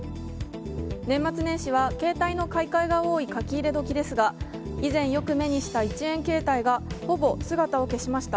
年末年始は携帯の買い替えが多い書き入れ時ですが以前よく目にした１円携帯がほぼ姿を消しました。